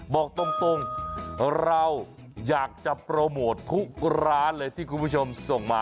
บอกตรงเราอยากจะโปรโมททุกร้านเลยที่คุณผู้ชมส่งมา